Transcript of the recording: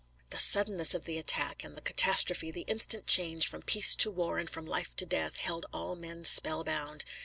The suddenness of the attack and the catastrophe, the instant change from peace to war and from life to death, held all men spellbound.